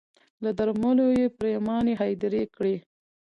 له درملو یې پرېماني هدیرې کړې